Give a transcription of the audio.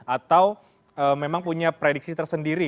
atau memang punya prediksi tersendiri